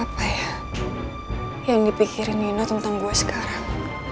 apa ya yang dipikirin nino tentang gue sekarang